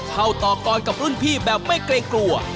เข้าต่อกรกับรุ่นพี่แบบไม่เกรงกลัว